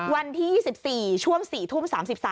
วันที่๒๔ช่วง๔ทุ่ม๓๓